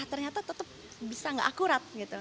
ternyata tetap bisa tidak akurat